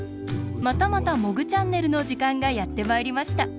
またまた「モグチャンネル」のじかんがやってまいりました。